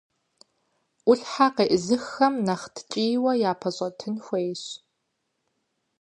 Ӏулъхьэ къеӀызыххэм, нэхъ ткӀийуэ япэщӀэтын хуейщ.